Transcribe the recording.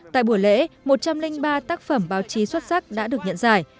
tại buổi lễ một trăm linh ba tác phẩm báo chí xuất sắc đã được nhận giải